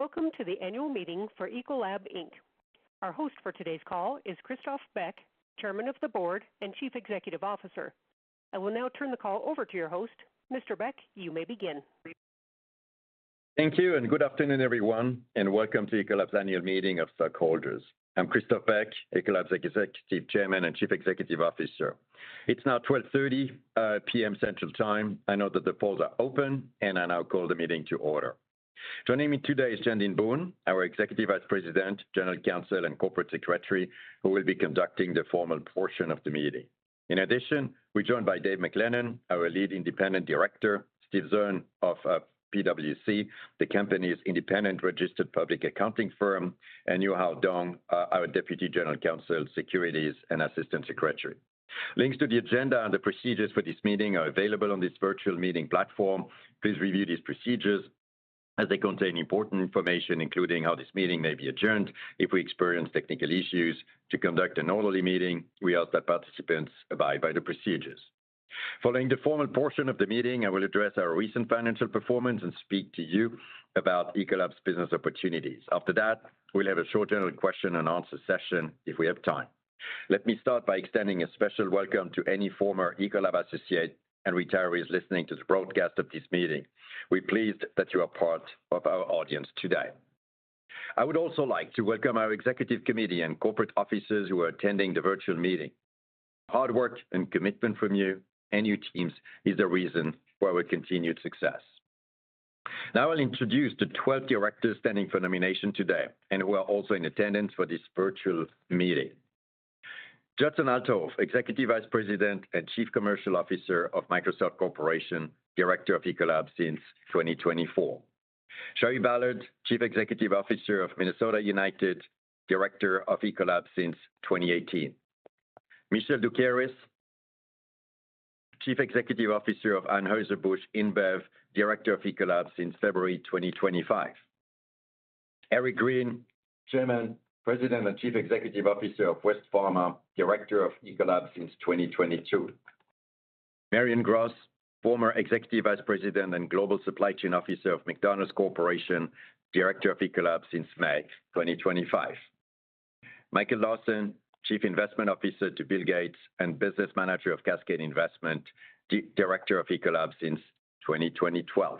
Welcome to the annual meeting for Ecolab Inc. Our host for today's call is Christophe Beck, Chairman of the Board and Chief Executive Officer. I will now turn the call over to your host, Mr. Beck. You may begin. Thank you, and good afternoon, everyone, and welcome to Ecolab's annual meeting of stakeholders. I'm Christophe Beck, Ecolab's Executive Chairman and Chief Executive Officer. It's now 12:30 P.M. Central Time. I know that the polls are open, and I now call the meeting to order. Joining me today is Janine Boone, our Executive Vice President, General Counsel, and Corporate Secretary, who will be conducting the formal portion of the meeting. In addition, we're joined by Dave MacLennan, our Lead Independent Director, Steve Zurn of PwC, the company's Independent Registered Public Accounting firm, and Yuhao Dong, our Deputy General Counsel, Securities and Assistant Secretary. Links to the agenda and the procedures for this meeting are available on this virtual meeting platform. Please review these procedures as they contain important information, including how this meeting may be adjourned if we experience technical issues. To conduct an orderly meeting, we ask that participants abide by the procedures. Following the formal portion of the meeting, I will address our recent financial performance and speak to you about Ecolab's business opportunities. After that, we'll have a short general question-and-answer session if we have time. Let me start by extending a special welcome to any former Ecolab associate and retirees listening to the broadcast of this meeting. We're pleased that you are part of our audience today. I would also like to welcome our Executive Committee and Corporate Officers who are attending the virtual meeting. The hard work and commitment from you and your teams is the reason for our continued success. Now, I'll introduce the 12 directors standing for nomination today and who are also in attendance for this virtual meeting. Judson Althoff, Executive Vice President and Chief Commercial Officer of Microsoft Corporation, Director of Ecolab since 2024. Shari Ballard, Chief Executive Officer of Minnesota United, Director of Ecolab since 2018. Michel Doukeris, Chief Executive Officer of Anheuser-Busch InBev, Director of Ecolab since February 2025. Eric Green. Chairman, President and Chief Executive Officer of West Pharma, Director of Ecolab since 2022. Marion Gross, former Executive Vice President and Global Supply Chain Officer of McDonald's Corporation, Director of Ecolab since May 2025. Michael Larson, Chief Investment Officer to Bill Gates and Business Manager of Cascade Investment, Director of Ecolab since 2012.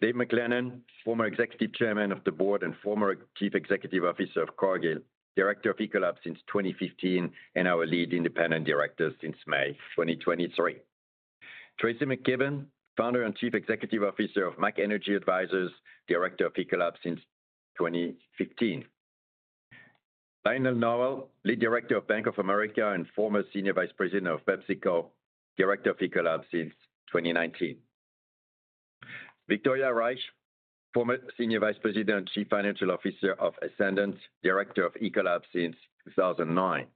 Dave MacLennan, former Executive Chairman of the Board and former Chief Executive Officer of Cargill, Director of Ecolab since 2015, and our Lead Independent Director since May 2023. Tracy McKibben, Founder and Chief Executive Officer of MAC Energy Advisors, Director of Ecolab since 2015. Lionel Nowell, Lead Director of Bank of America and former Senior Vice President of PepsiCo, Director of Ecolab since 2019. Victoria Reich, former Senior Vice President and Chief Financial Officer of Essendant, Director of Ecolab since 2009.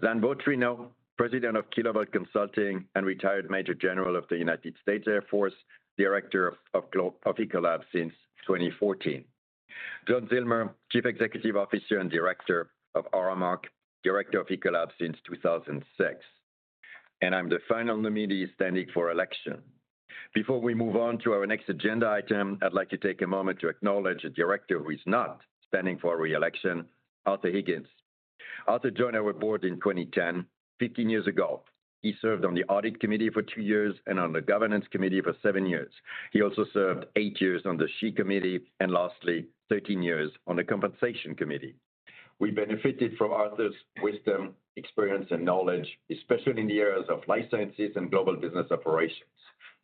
Suzanne Vautrinot, President of Kilovolt Consulting and retired Major General of the United States Air Force, Director of Ecolab since 2014. John Zillmer, Chief Executive Officer and Director of Aramark, Director of Ecolab since 2006, and I'm the final nominee standing for election. Before we move on to our next agenda item, I'd like to take a moment to acknowledge a director who is not standing for reelection, Arthur Higgins. Arthur joined our board in 2010, 15 years ago. He served on the Audit Committee for two years and on the Governance Committee for seven years. He also served eight years on the SHE Committee and lastly, 13 years on the Compensation Committee. We benefited from Arthur's wisdom, experience, and knowledge, especially in the areas of life sciences and global business operations.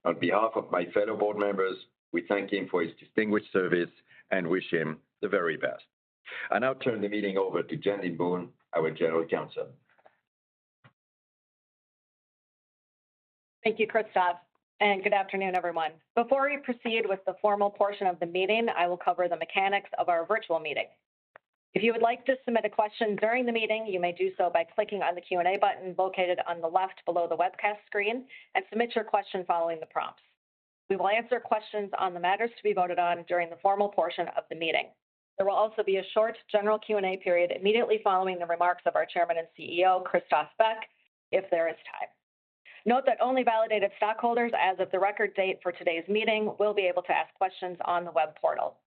On behalf of my fellow board members, we thank him for his distinguished service and wish him the very best. I now turn the meeting over to Janine Boone, our General Counsel. Thank you, Christophe, and good afternoon, everyone. Before we proceed with the formal portion of the meeting, I will cover the mechanics of our virtual meeting. If you would like to submit a question during the meeting, you may do so by clicking on the Q&A button located on the left below the webcast screen and submit your question following the prompts. We will answer questions on the matters to be voted on during the formal portion of the meeting. There will also be a short general Q&A period immediately following the remarks of our Chairman and CEO, Christophe Beck, if there is time. Note that only validated stockholders, as of the record date for today's meeting, will be able to ask questions on the web portal.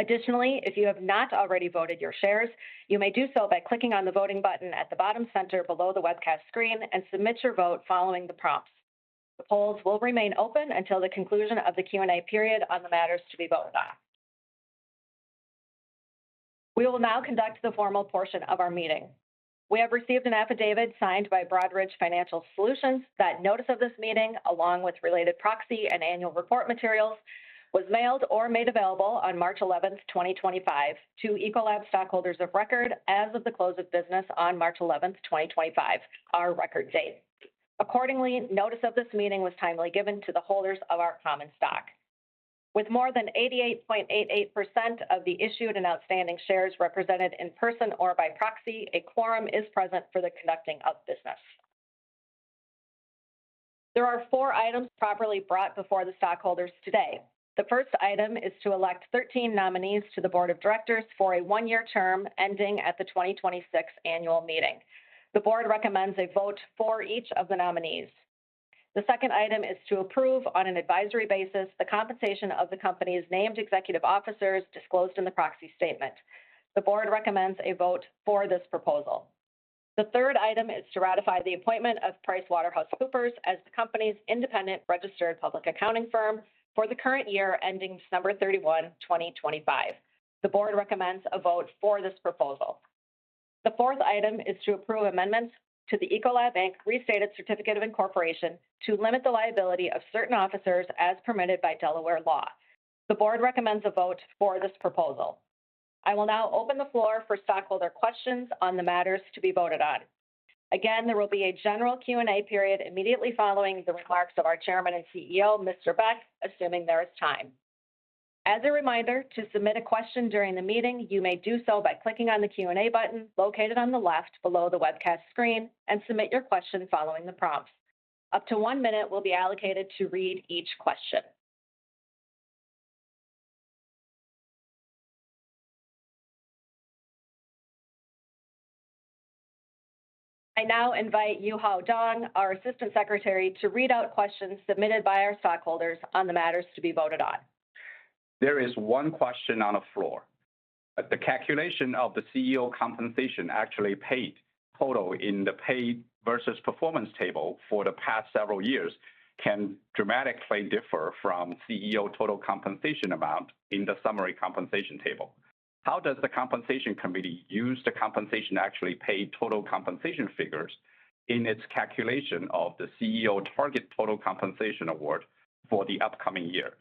Additionally, if you have not already voted your shares, you may do so by clicking on the voting button at the bottom center below the webcast screen and submit your vote following the prompts. The polls will remain open until the conclusion of the Q&A period on the matters to be voted on. We will now conduct the formal portion of our meeting. We have received an affidavit signed by Broadridge Financial Solutions that notice of this meeting, along with related proxy and annual report materials, was mailed or made available on March 11, 2025, to Ecolab stockholders of record as of the close of business on March 11, 2025, our record date. Accordingly, notice of this meeting was timely given to the holders of our common stock. With more than 88.88% of the issued and outstanding shares represented in person or by proxy, a quorum is present for the conducting of business. There are four items properly brought before the stockholders today. The first item is to elect 13 nominees to the Board of Directors for a one-year term ending at the 2026 annual meeting. The board recommends a vote for each of the nominees. The second item is to approve on an advisory basis the compensation of the company's named executive officers disclosed in the proxy statement. The board recommends a vote for this proposal. The third item is to ratify the appointment of PricewaterhouseCoopers as the company's independent registered public accounting firm for the current year ending December 31, 2025. The board recommends a vote for this proposal. The fourth item is to approve amendments to the Ecolab's Amended and Restated Certificate of Incorporation to limit the liability of certain officers as permitted by Delaware law. The board recommends a vote for this proposal. I will now open the floor for stockholder questions on the matters to be voted on. Again, there will be a general Q&A period immediately following the remarks of our Chairman and CEO, Mr. Beck, assuming there is time. As a reminder, to submit a question during the meeting, you may do so by clicking on the Q&A button located on the left below the webcast screen and submit your question following the prompts. Up to one minute will be allocated to read each question. I now invite Yuhao Dong, our Assistant Secretary, to read out questions submitted by our stockholders on the matters to be voted on. There is one question on the floor. The calculation of the CEO compensation actually paid total in the paid versus performance table for the past several years can dramatically differ from CEO total compensation amount in the summary compensation table. How does the Compensation Committee use the compensation actually paid total compensation figures in its calculation of the CEO target total compensation award for the upcoming year?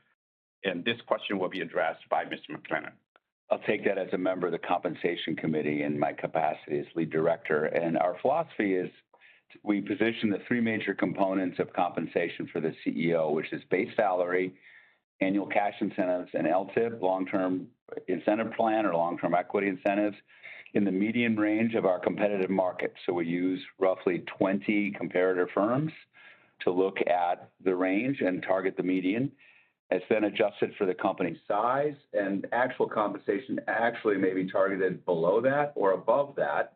And this question will be addressed by Mr. MacLennan. I'll take that as a member of the Compensation Committee in my capacity as lead director, and our philosophy is we position the three major components of compensation for the CEO, which is base salary, annual cash incentives, and LTIP, Long-Term Incentive Plan or Long-Term Equity Incentives, in the median range of our competitive market, so we use roughly 20 comparator firms to look at the range and target the median. It's then adjusted for the company size, and actual compensation actually may be targeted below that or above that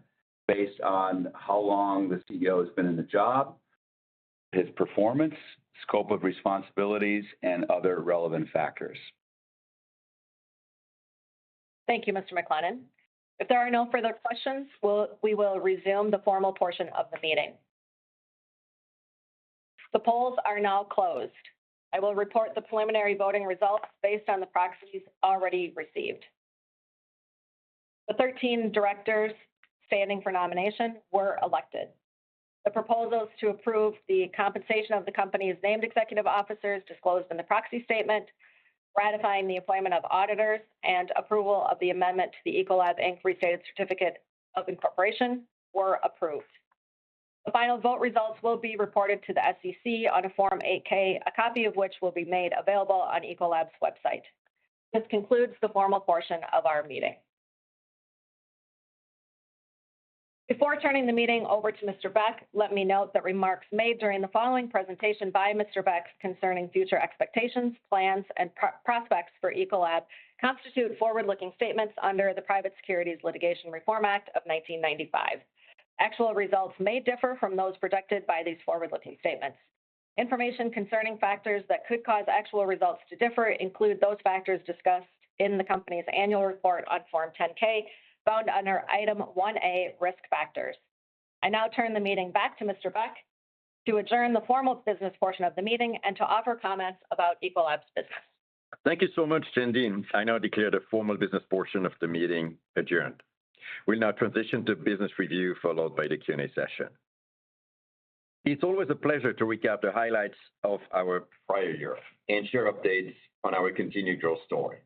based on how long the CEO has been in the job, his performance, scope of responsibilities, and other relevant factors. Thank you, Mr. MacLennan. If there are no further questions, we will resume the formal portion of the meeting. The polls are now closed. I will report the preliminary voting results based on the proxies already received. The 13 directors standing for nomination were elected. The proposals to approve the compensation of the company's named executive officers disclosed in the proxy statement, ratifying the appointment of auditors, and approval of the amendment to the Ecolab Inc. Restated Certificate of Incorporation were approved. The final vote results will be reported to the SEC on a Form 8-K, a copy of which will be made available on Ecolab's website. This concludes the formal portion of our meeting. Before turning the meeting over to Mr. Beck, let me note that remarks made during the following presentation by Mr. Beck concerning future expectations, plans, and prospects for Ecolab constitute forward-looking statements under the Private Securities Litigation Reform Act of 1995. Actual results may differ from those projected by these forward-looking statements. Information concerning factors that could cause actual results to differ include those factors discussed in the company's annual report on Form 10-K found under Item 1A, Risk Factors. I now turn the meeting back to Mr. Beck to adjourn the formal business portion of the meeting and to offer comments about Ecolab's business. Thank you so much, Janine. I now declare the formal business portion of the meeting adjourned. We'll now transition to business review, followed by the Q&A session. It's always a pleasure to recap the highlights of our prior year and share updates on our continued growth story.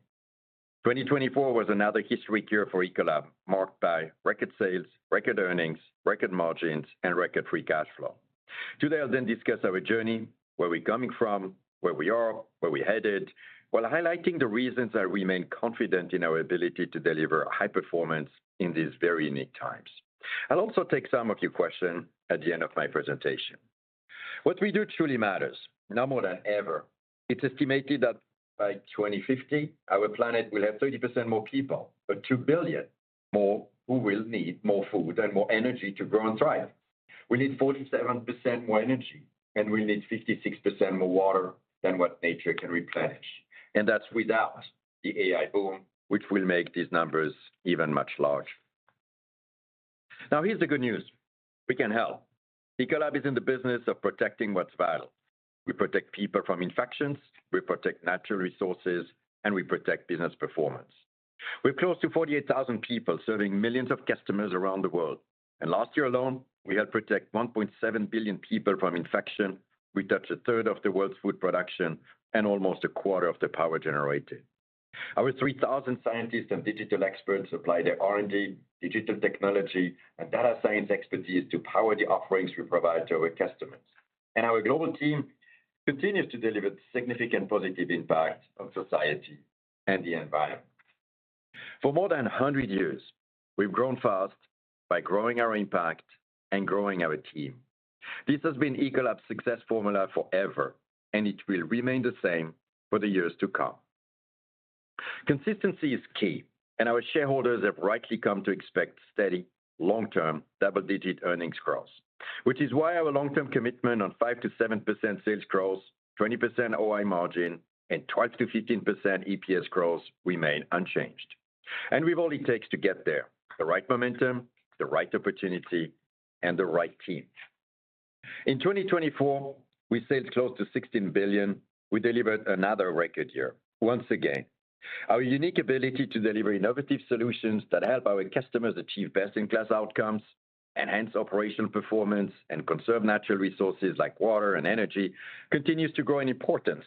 2024 was another historic year for Ecolab, marked by record sales, record earnings, record margins, and record free cash flow. Today, I'll then discuss our journey, where we're coming from, where we are, where we're headed, while highlighting the reasons I remain confident in our ability to deliver high performance in these very unique times. I'll also take some of your questions at the end of my presentation. What we do truly matters, now more than ever. It's estimated that by 2050, our planet will have 30% more people, but 2 billion more who will need more food and more energy to grow and thrive. We need 47% more energy, and we need 56% more water than what nature can replenish, and that's without the AI boom, which will make these numbers even much larger. Now, here's the good news. We can help. Ecolab is in the business of protecting what's vital. We protect people from infections, we protect natural resources, and we protect business performance. We've close to 48,000 people serving millions of customers around the world, and last year alone, we helped protect 1.7 billion people from infection. We touch a third of the world's food production and almost a quarter of the power generated. Our 3,000 scientists and digital experts apply their R&D, digital technology, and data science expertise to power the offerings we provide to our customers, and our global team continues to deliver significant positive impact on society and the environment. For more than 100 years, we've grown fast by growing our impact and growing our team. This has been Ecolab's success formula forever, and it will remain the same for the years to come. Consistency is key, and our shareholders have rightly come to expect steady, long-term double-digit earnings growth, which is why our long-term commitment on 5%-7% sales growth, 20% OI margin, and 12%-15% EPS growth remain unchanged, and we've only taken to get there the right momentum, the right opportunity, and the right team. In 2024, with sales close to $16 billion, we delivered another record year, once again. Our unique ability to deliver innovative solutions that help our customers achieve best-in-class outcomes, enhance operational performance, and conserve natural resources like water and energy continues to grow in importance,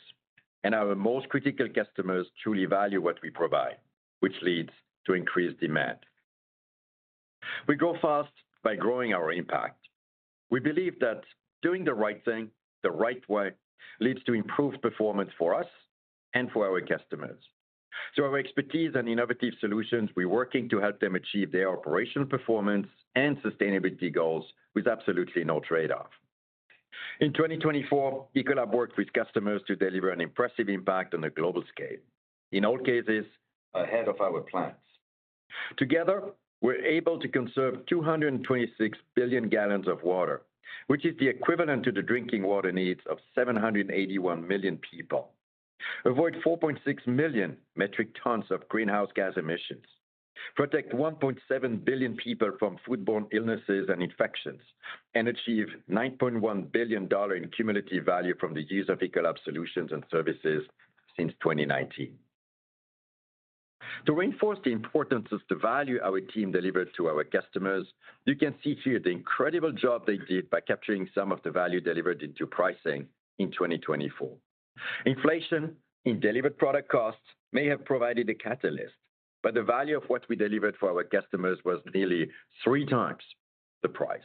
and our most critical customers truly value what we provide, which leads to increased demand. We grow fast by growing our impact. We believe that doing the right thing the right way leads to improved performance for us and for our customers, so our expertise and innovative solutions we're working to help them achieve their operational performance and sustainability goals with absolutely no trade-off. In 2024, Ecolab worked with customers to deliver an impressive impact on a global scale, in all cases, ahead of our plans. Together, we're able to conserve 226 billion gallons of water, which is the equivalent to the drinking water needs of 781 million people, avoid 4.6 million metric tons of greenhouse gas emissions, protect 1.7 billion people from foodborne illnesses and infections, and achieve $9.1 billion in cumulative value from the use of Ecolab solutions and services since 2019. To reinforce the importance of the value our team delivered to our customers, you can see here the incredible job they did by capturing some of the value delivered into pricing in 2024. Inflation in delivered product costs may have provided a catalyst, but the value of what we delivered for our customers was nearly three times the price.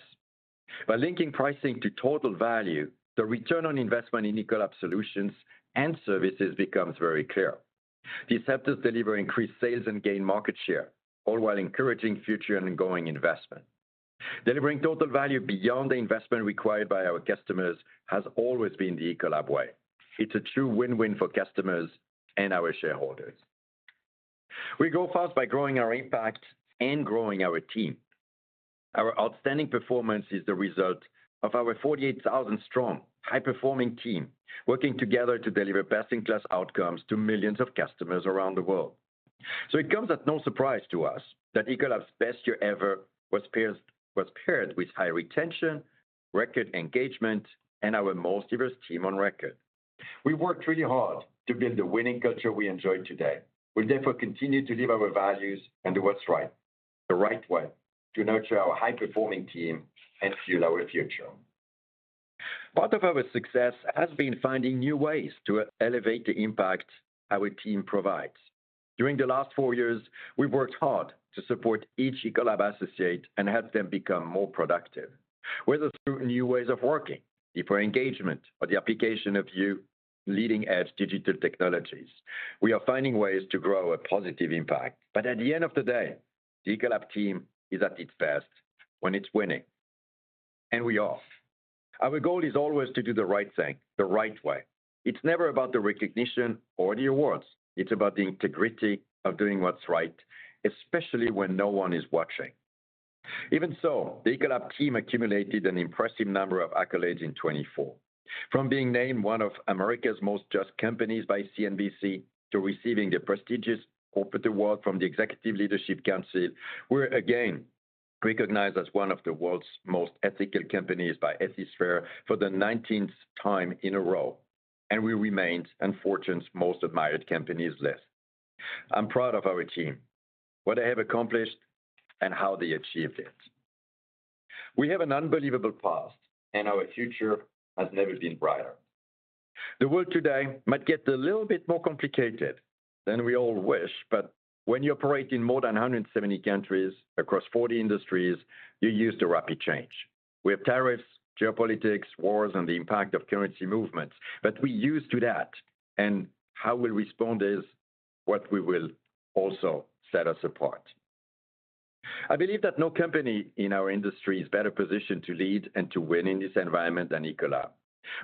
By linking pricing to total value, the return on investment in Ecolab solutions and services becomes very clear. The acceptance delivers increased sales and gains market share, all while encouraging future and ongoing investment. Delivering total value beyond the investment required by our customers has always been the Ecolab way. It's a true win-win for customers and our shareholders. We go fast by growing our impact and growing our team. Our outstanding performance is the result of our 48,000-strong, high-performing team working together to deliver best-in-class outcomes to millions of customers around the world. So it comes as no surprise to us that Ecolab's best year ever was paired with high retention, record engagement, and our most diverse team on record. We worked really hard to build the winning culture we enjoy today. We'll therefore continue to live our values and do what's right, the right way, to nurture our high-performing team and fuel our future. Part of our success has been finding new ways to elevate the impact our team provides. During the last four years, we've worked hard to support each Ecolab associate and help them become more productive, whether through new ways of working, deeper engagement, or the application of new leading-edge digital technologies. We are finding ways to grow a positive impact. But at the end of the day, the Ecolab team is at its best when it's winning. And we are. Our goal is always to do the right thing the right way. It's never about the recognition or the awards. It's about the integrity of doing what's right, especially when no one is watching. Even so, the Ecolab team accumulated an impressive number of accolades in 2024. From being named one of America's most just companies by CNBC to receiving the prestigious Corporate Award from the Executive Leadership Council, we're again recognized as one of the world's most ethical companies by Ethisphere for the 19th time in a row. And we remained Fortune's most admired companies list. I'm proud of our team, what they have accomplished, and how they achieved it. We have an unbelievable past, and our future has never been brighter. The world today might get a little bit more complicated than we all wish, but when you operate in more than 170 countries across 40 industries, you're used to rapid change. We have tariffs, geopolitics, wars, and the impact of currency movements. But we're used to that. And how we respond is what we will also set us apart. I believe that no company in our industry is better positioned to lead and to win in this environment than Ecolab.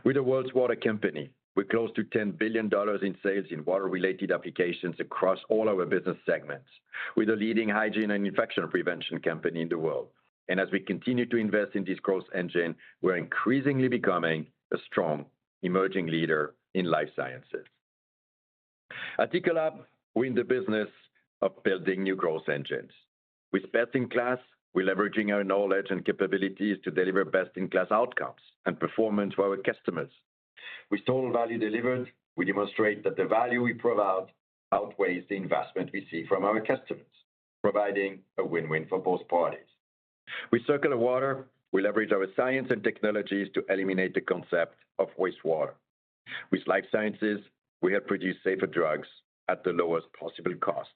We're the world's water company. We're close to $10 billion in sales in water-related applications across all our business segments. We're the leading hygiene and infection prevention company in the world. And as we continue to invest in this growth engine, we're increasingly becoming a strong emerging leader in life sciences. At Ecolab, we're in the business of building new growth engines. With best-in-class, we're leveraging our knowledge and capabilities to deliver best-in-class outcomes and performance for our customers. With total value delivered, we demonstrate that the value we provide outweighs the investment we see from our customers, providing a win-win for both parties. With circular water, we leverage our science and technologies to eliminate the concept of wastewater. With life sciences, we help produce safer drugs at the lowest possible cost.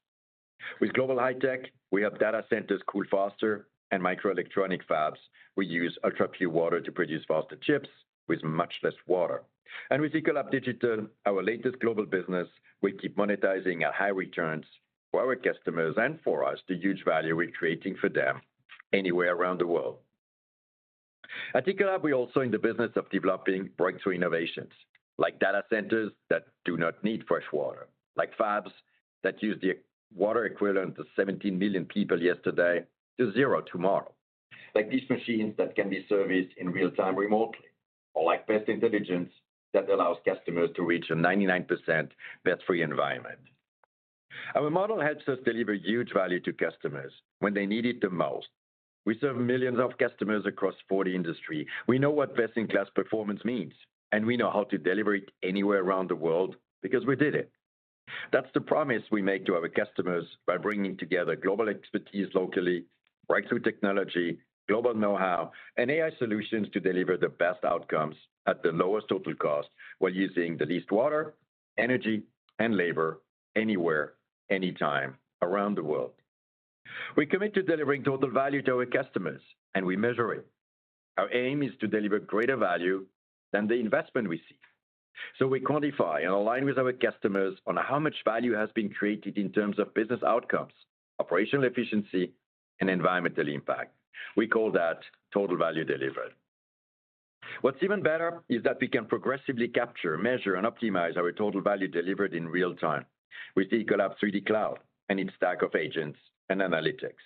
With Global High Tech, we help data centers cool faster and microelectronic fabs. We use ultra-pure water to produce faster chips with much less water. And with Ecolab Digital, our latest global business, we keep monetizing our high returns for our customers and for us the huge value we're creating for them anywhere around the world. At Ecolab, we're also in the business of developing breakthrough innovations like data centers that do not need fresh water, like fabs that use the water equivalent of 17 million people yesterday to zero tomorrow, like these machines that can be serviced in real time remotely, or like Pest Intelligence that allows customers to reach a 99% better environment. Our model helps us deliver huge value to customers when they need it the most. We serve millions of customers across 40 industries. We know what best-in-class performance means, and we know how to deliver it anywhere around the world because we did it. That's the promise we make to our customers by bringing together global expertise locally, breakthrough technology, global know-how, and AI solutions to deliver the best outcomes at the lowest total cost while using the least water, energy, and labor anywhere, anytime around the world. We commit to delivering total value to our customers, and we measure it. Our aim is to deliver greater value than the investment we see. So we quantify and align with our customers on how much value has been created in terms of business outcomes, operational efficiency, and environmental impact. We call that total value delivered. What's even better is that we can progressively capture, measure, and optimize our total value delivered in real time with ECOLABD Cloud and its stack of agents and analytics,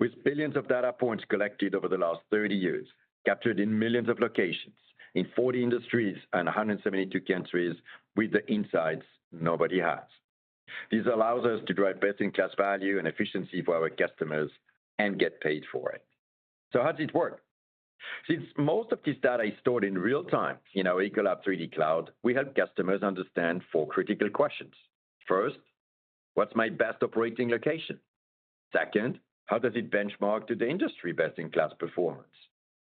with billions of data points collected over the last 30 years, captured in millions of locations in 40 industries and 172 countries with the insights nobody has. This allows us to drive best-in-class value and efficiency for our customers and get paid for it. So how does it work? Since most of this data is stored in real time in our ECOLAB3D Cloud, we help customers understand four critical questions. First, what's my best operating location? Second, how does it benchmark to the industry best-in-class performance?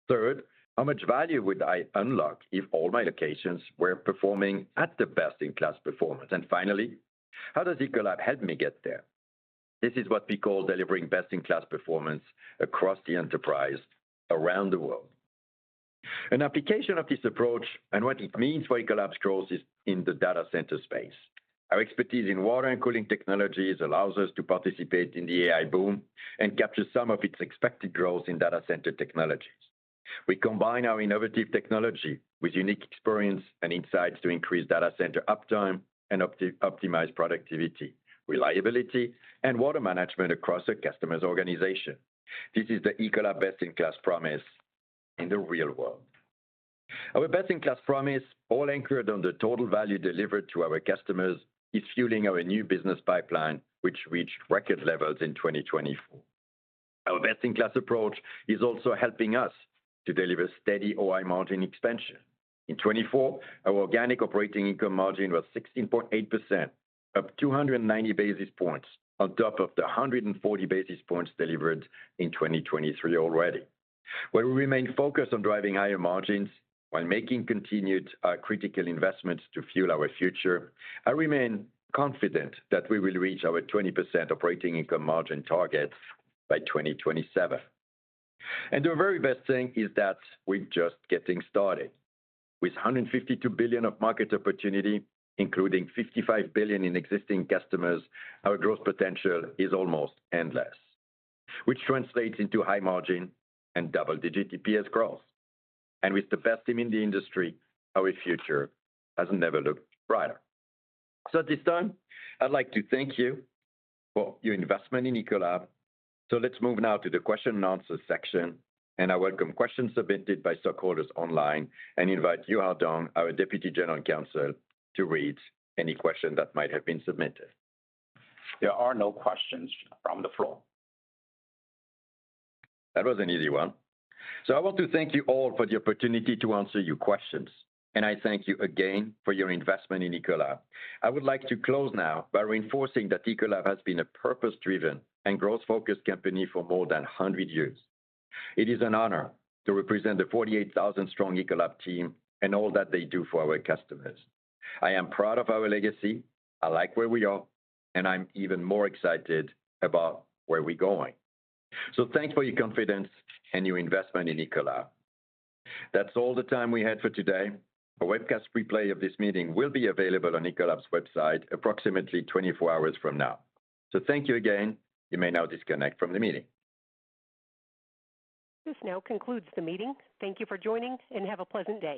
Third, how much value would I unlock if all my locations were performing at the best-in-class performance? And finally, how does Ecolab help me get there? This is what we call delivering best-in-class performance across the enterprise around the world. An application of this approach and what it means for Ecolab's growth is in the data center space. Our expertise in water and cooling technologies allows us to participate in the AI boom and capture some of its expected growth in data center technologies. We combine our innovative technology with unique experience and insights to increase data center uptime and optimize productivity, reliability, and water management across our customers' organization. This is the Ecolab best-in-class promise in the real world. Our best-in-class promise, all anchored on the total value delivered to our customers, is fueling our new business pipeline, which reached record levels in 2024. Our best-in-class approach is also helping us to deliver steady OI margin expansion. In 2024, our organic operating income margin was 16.8%, up 290 basis points on top of the 140 basis points delivered in 2023 already. While we remain focused on driving higher margins while making continued critical investments to fuel our future, I remain confident that we will reach our 20% operating income margin target by 2027. The very best thing is that we're just getting started. With $152 billion of market opportunity, including $55 billion in existing customers, our growth potential is almost endless, which translates into high margin and double-digit EPS growth. With the best team in the industry, our future has never looked brighter. At this time, I'd like to thank you for your investment in Ecolab. So let's move now to the question and answer section, and I welcome questions submitted by stockholders online and invite Yuhao Dong, our Deputy General Counsel, to read any question that might have been submitted. There are no questions from the floor. That was an easy one. So I want to thank you all for the opportunity to answer your questions. And I thank you again for your investment in Ecolab. I would like to close now by reinforcing that Ecolab has been a purpose-driven and growth-focused company for more than 100 years. It is an honor to represent the 48,000-strong Ecolab team and all that they do for our customers. I am proud of our legacy. I like where we are, and I'm even more excited about where we're going. So thanks for your confidence and your investment in Ecolab. That's all the time we had for today. A webcast replay of this meeting will be available on Ecolab's website approximately 24 hours from now. So thank you again. You may now disconnect from the meeting. This now concludes the meeting. Thank you for joining, and have a pleasant day.